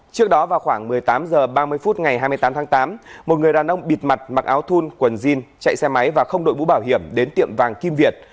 trước đó vào khoảng một mươi tám h ba mươi phút ngày hai mươi tám tháng tám một người đàn ông bịt mặt mặc áo thun quần jin chạy xe máy và không đội bũ bảo hiểm đến tiệm vàng kim việt